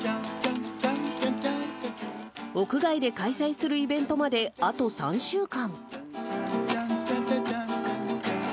屋外で開催するイベントまで、あと３週間。